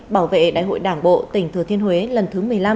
bảo vệ đại hội đảng bộ tỉnh thừa thiên huế lần thứ một mươi năm